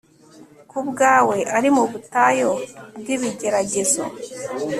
ku bwawe ari mu butayu bwibigeragezo